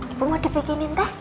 ibu mau dibikinin teh